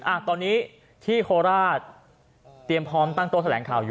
อ่ะตอนนี้ที่โคราชเตรียมพร้อมตั้งโต๊ะแถลงข่าวอยู่